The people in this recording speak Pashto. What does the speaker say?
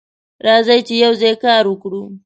راځه چې یوځای کار وکړو.